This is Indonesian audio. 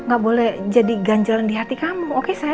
gak boleh jadi ganjalan di hati kamu oke saya